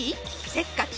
せっかち？